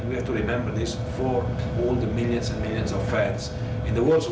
ความสุขของความสุขของใช่ของโลก